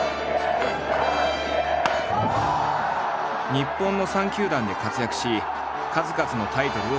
日本の３球団で活躍し数々のタイトルを取得。